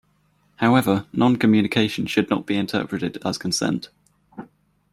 However, non-communication should not be interpreted as consent.